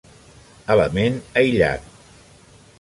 Element aïllat.